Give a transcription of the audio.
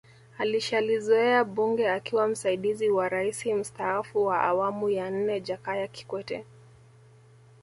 Alishalizoea bunge akiwa msaidizi wa raisi mstaafu wa awamu ya nne Jakaya Kikwete